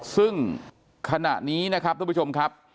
ซึ่งขณะนี้นะครับทุกผู้ชมครับ